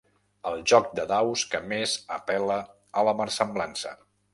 El joc de daus que més apel·la a la versemblança.